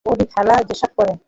ওডি খালা যেসব করে?